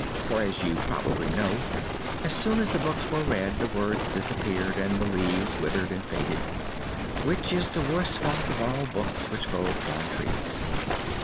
For, as you probably know, as soon as the books were read the words disappeared and the leaves withered and faded which is the worst fault of all books which grow upon trees.